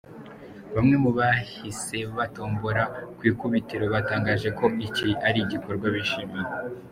Bamwe mu bahise batombora ku ikubitiro batangaje ko iki ari igikorwa bishimiye.